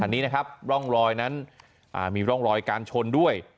อันนี้นะครับร่องรอยนั้นมีร่องรอยการชนด้วย